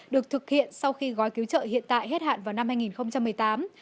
được thực hiện sau khi gói cứu trợ hiện tại hết hạn vào năm hai nghìn một mươi tám